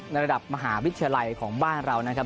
ระดับมหาวิทยาลัยของบ้านเรานะครับ